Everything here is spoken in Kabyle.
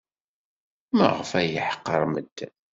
Maɣef ay yeḥqer medden?